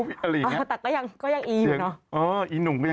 เสียงเปลี่ยนเลย